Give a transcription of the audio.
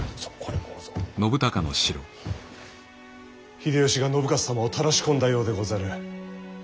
秀吉が信雄様をたらし込んだようでござる。